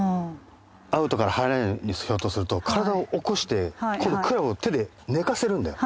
アウトから入らないようにしようとすると体をおこして今度クラブを手で寝かせるんだよ。